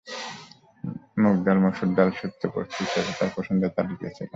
মুগ ডাল, মসুর ডাল, শুক্তো, পোস্ত ইত্যাদি তাঁর পছন্দের তালিকায় ছিল।